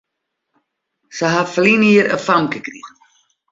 Sy ha ferline jier in famke krigen.